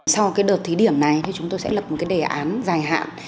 sau cái đợt thí điểm này thì chúng tôi sẽ lập một cái đề án dài hạn